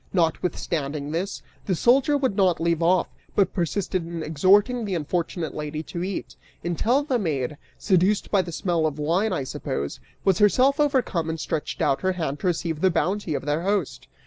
Notwithstanding this, the soldier would not leave off, but persisted in exhorting the unfortunate lady to eat, until the maid, seduced by the smell of the wine, I suppose, was herself overcome and stretched out her hand to receive the bounty of their host.